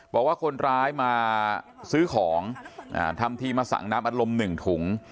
บอกว่าคนร้ายมาซื้อของทำทีมาสั่งน้ำอัดลม๑ถุง